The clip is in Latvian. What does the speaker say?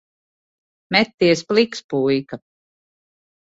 Meties pliks, puika.